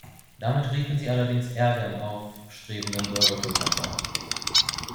Damit riefen sie allerdings Ärger im aufstrebenden Bürgertum hervor.